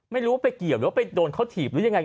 ไม่รู้ไปเกี่ยวหรือว่าไปโดนเขาถีบหรือยังไง